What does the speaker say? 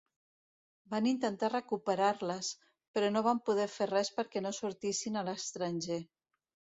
Van intentar recuperar-les, però no van poder fer res perquè no sortissin a l’estranger.